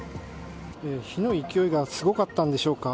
火の勢いがすごかったんでしょうか。